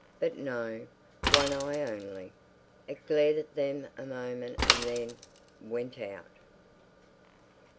But no—one eye only. It glared at them a moment and then... went out.